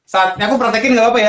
saatnya aku perantekin gak apa ya